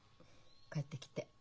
帰ってきて。